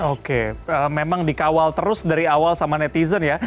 oke memang dikawal terus dari awal sama netizen ya